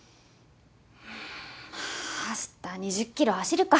明日２０キロ走るか。